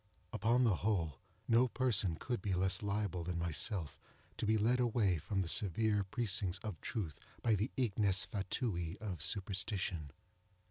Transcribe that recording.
Upon the whole, no person could be less liable than myself to be led away from the severe precincts of truth by the ignes fatui of superstition.